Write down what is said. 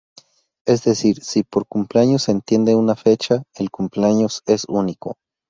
Es decir, si por cumpleaños se entiende una fecha, el cumpleaños es único.